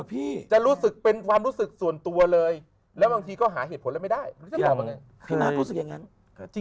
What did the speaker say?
พี่จะรู้สึกเป็นความรู้สึกส่วนตัวเลยแล้วบางทีก็หาเหตุผลแล้วไม่ได้